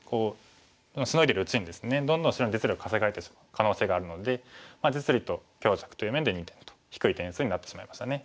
シノいでるうちにですねどんどん白に実利を稼がれてしまう可能性があるので実利と強弱という面で２点と低い点数になってしまいましたね。